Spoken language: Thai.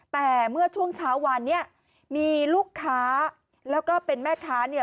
แต่เมื่อช่วงเช้าวันนี้มีลูกค้าแล้วก็เป็นแม่ค้าเนี่ย